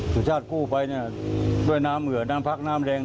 สุชาติกู้ไปด้วยน้ำเหือนน้ำพักน้ำแดง